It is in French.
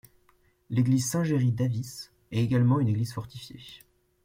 L'église Saint-Géry d'Havys est également une église fortifiée.